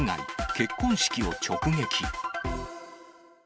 結婚式を直撃。